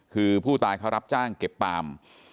คือผู้ตายเขารับจ้างเก็บปาล์ม